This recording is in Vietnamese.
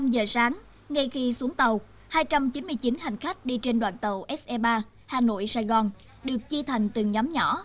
năm giờ sáng ngay khi xuống tàu hai trăm chín mươi chín hành khách đi trên đoàn tàu se ba hà nội sài gòn được chi thành từng nhóm nhỏ